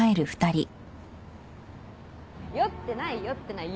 酔ってない酔ってない。